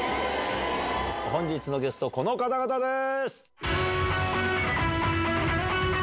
本日のゲスト、この方々です。